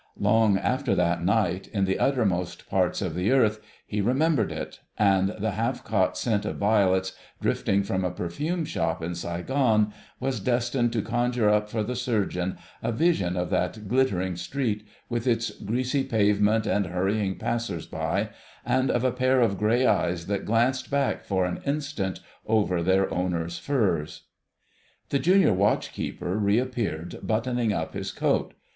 Long after that night, in the uttermost parts of the earth he remembered it, and the half caught scent of violets, drifting from a perfume shop in Saigon, was destined to conjure up for the Surgeon a vision of that glittering street, with its greasy pavement and hurrying passers by, and of a pair of grey eyes that glanced back for an instant over their owner's furs.... The Junior Watch keeper reappeared, buttoning up his coat.